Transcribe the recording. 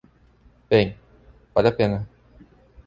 Bem, vale a pena.